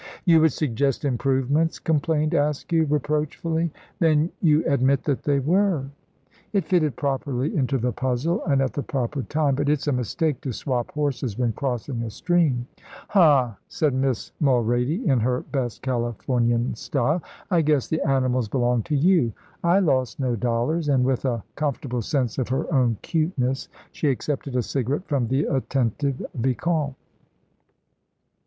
"You would suggest improvements," complained Askew, reproachfully. "Then you admit that they were." "If fitted properly into the puzzle, and at the proper time. But it's a mistake to swap horses when crossing a stream." "Huh!" said Miss Mulrady, in her best Californian style. "I guess the animals belonged to you. I lost no dollars"; and with a comfortable sense of her own 'cuteness, she accepted a cigarette from the attentive vicomte.